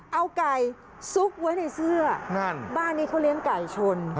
เอาไก่ซุกไว้ในเสื้อนั่นบ้านนี้เขาเลี้ยงไก่ชน